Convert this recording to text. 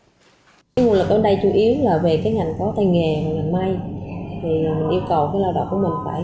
tất cả những lao động ở đây nếu tuân về tình hình lao động ở khu vực này